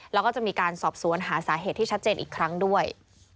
แล้วก็จะมีการสอบสวนหาสาเหตุที่ชัดเจนอีกครั้งด้วย